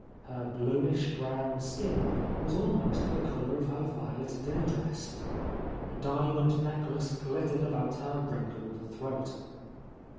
Her blu ish brown skin was almost the colour of her vio let dinner dress. A diamond necklace glittered about her wrinkled throat.